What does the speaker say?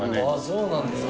そうなんですか。